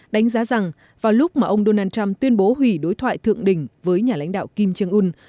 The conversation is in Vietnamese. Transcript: đánh giá rằng vào lúc mà ông donald trump tuyên bố hủy đối thoại thượng đỉnh với nhà lãnh đạo kim trương ưn